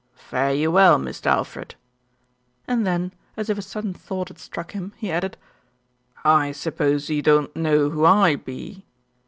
"Fare you well, Mist' Alfred," and then, as if a sudden thought had struck him, he added: "I suppose you don't know who I be?"